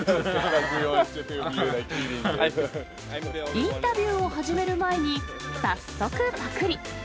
インタビューを始める前に早速ぱくり。